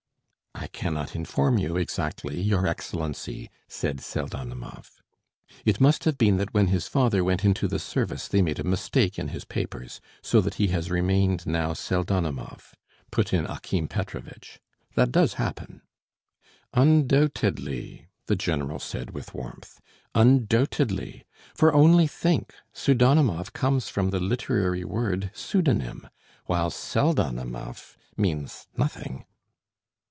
"I cannot inform you exactly, your Excellency," said Pseldonimov. "It must have been that when his father went into the service they made a mistake in his papers, so that he has remained now Pseldonimov," put in Akim Petrovitch. "That does happen." "Un doubted ly," the general said with warmth, "un doubted ly; for only think, Pseudonimov comes from the literary word pseudonym, while Pseldonimov means nothing."